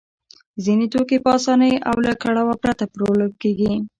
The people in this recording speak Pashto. ځینې توکي په اسانۍ او له کړاوه پرته پلورل کېږي